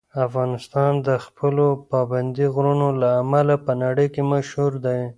افغانستان د خپلو پابندي غرونو له امله په نړۍ کې مشهور دی.